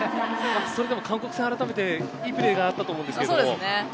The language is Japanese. それでも韓国戦、あらためていいプレーがあったと思うんですけれども。